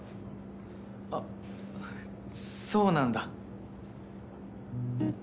あっそうなんだ。